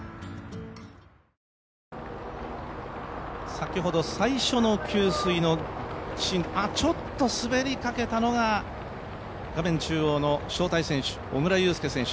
先ほど最初の給水のシーン、ちょっと滑りかけたのが、画面中央の招待選手、小椋裕介選手